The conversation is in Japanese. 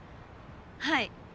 はい。